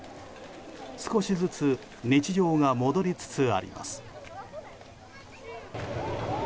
少しずつ日常が戻りつつあります。